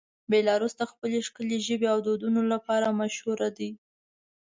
بیلاروس د خپل ښکلې ژبې او دودونو لپاره مشهوره دی.